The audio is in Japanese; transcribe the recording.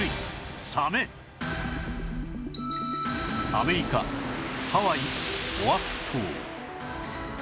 アメリカハワイオアフ島